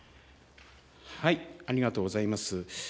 ありがとうございます。